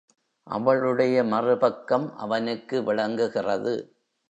அவளுடைய மறுபக்கம் அவனுக்கு விளங்குகிறது.